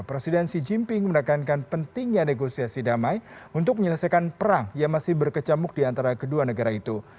presiden xi jinping menekankan pentingnya negosiasi damai untuk menyelesaikan perang yang masih berkecamuk di antara kedua negara itu